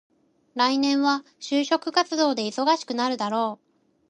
来年は就職活動で忙しくなるだろう。